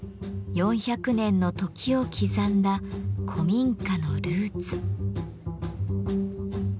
４００年の時を刻んだ古民家のルーツ。